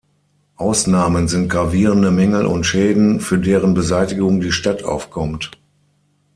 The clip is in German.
Ausnahmen sind gravierende Mängel und Schäden, für deren Beseitigung die Stadt aufkommt.